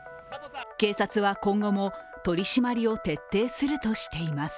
警察は今後も取り締まりを徹底するとしています。